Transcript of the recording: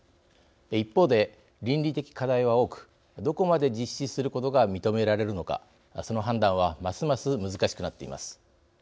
一方で倫理的課題は多くどこまで実施することが認められるのかその判断はますます難しくなっています。